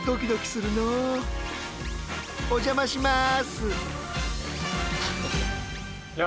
お邪魔します。